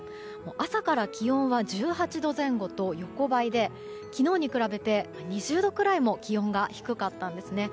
朝から気温は１８度前後と横ばいで昨日に比べて２０度くらいも気温が低かったんですね。